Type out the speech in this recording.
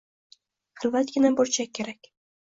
Xilvatgina burchak kerak